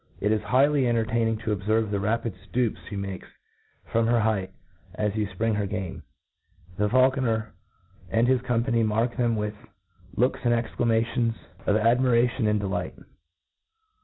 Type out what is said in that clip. k is high* ly entertaining to obfcrve the rapid ftoops flic makes from;: her height as you Ipring her game,. The faulconer and his company mark them with looks and exclamations of adm'u'ation and de ^ light